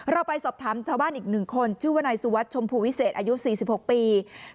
เราไปสอบถามชาวบ้านอีก๑คนชื่อวนายสุวัสดิชมพูวิเศษอายุ๔๖ปี